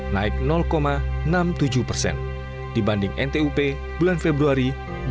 naik enam puluh tujuh persen dibanding ntup bulan februari dua ribu dua puluh